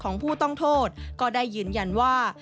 ของผู้ต้องโทษก็ได้ยืนยันว่า